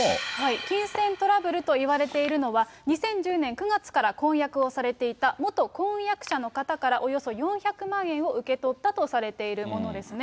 金銭トラブルといわれているのは、２０１０年９月から婚約をされていた元婚約者の方からおよそ４００万円を受け取ったとされているものですね。